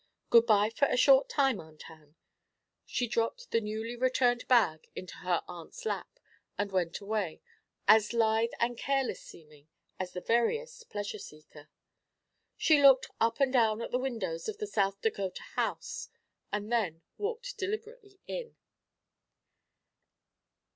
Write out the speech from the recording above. Good bye for a short time, Aunt Ann.' She dropped the newly returned bag into her aunt's lap and went away, as lithe and careless seeming as the veriest pleasure seeker. She looked up and down at the windows of the South Dakota House and then walked deliberately in.